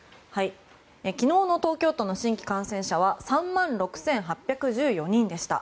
昨日の東京都の新規感染者は３万６８１４人でした。